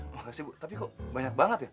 makasih bu tapi kok banyak banget ya